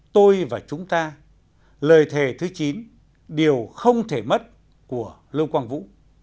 tôi và chúng ta lời thề thứ chín điều không thể mất của lưu quang vũ